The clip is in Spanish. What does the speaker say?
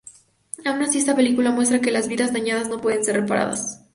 Aun así, esta película muestra que las vidas dañadas no pueden ser reparadas.